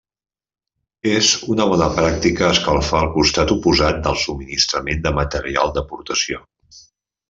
És una bona pràctica escalfar el costat oposat del subministrament de material d'aportació.